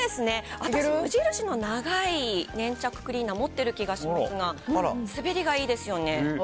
私、無印の長い粘着クリーナー、持っている気がしますが、滑りがいいですよね。